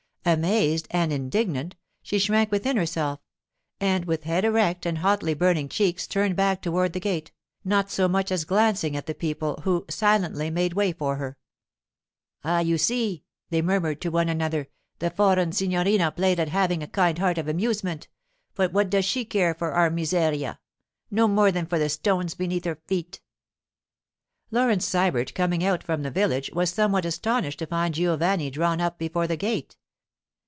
Amazed and indignant, she shrank within herself; and with head erect and hotly burning cheeks turned back toward the gate, not so much as glancing at the people, who silently made way for her. 'Ah, you see,' they murmured to one another, 'the foreign signorina played at having a kind heart for amusement. But what does she care for our miseria? No more than for the stones beneath her feet.' Laurence Sybert, coming out from the village, was somewhat astonished to find Giovanni drawn up before the gate.